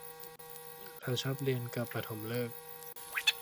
เราชอบเรียนกับปฐมฤกษ์